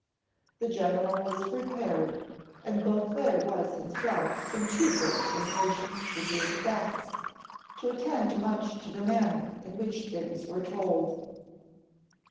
The general was prepared, and Beauclerc was himself in too great impatience to hear the facts, to attend much to the manner in which things were told.